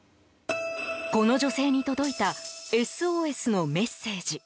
この女性に届いたＳＯＳのメッセージ。